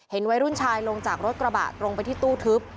วัยรุ่นชายลงจากรถกระบะตรงไปที่ตู้ทึบ